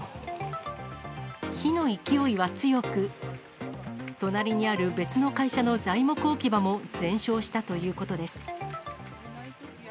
火の勢いは強く、隣にある別の会社の材木置き場も全焼したということです。